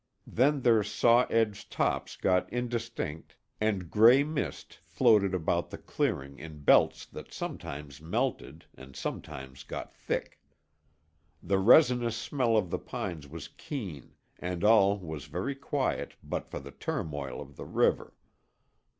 Then their saw edged tops got indistinct and gray mist floated about the clearing in belts that sometimes melted and sometimes got thick. The resinous smell of the pines was keen and all was very quiet but for the turmoil of the river.